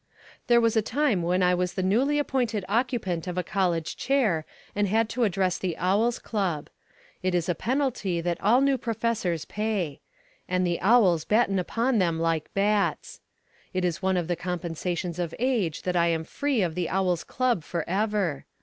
There was a time when I was the newly appointed occupant of a college chair and had to address the Owl's Club. It is a penalty that all new professors pay; and the Owls batten upon them like bats. It is one of the compensations of age that I am free of the Owl's Club forever.